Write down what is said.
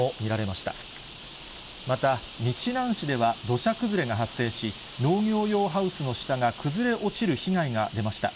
また日南市では土砂崩れが発生し、農業用ハウスの下が崩れ落ちる被害が出ました。